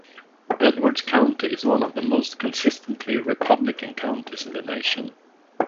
Edwards County is one of the most consistently Republican counties in the nation.